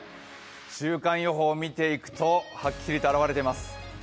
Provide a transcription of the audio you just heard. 週間予報を見ていくとはっきりと現れています。